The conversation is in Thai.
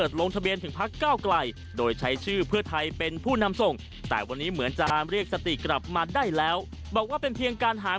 สอสอทั้งหมด๑๔๙คน